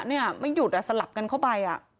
เนี่ยไม่หยุดสลับกันเข้าไป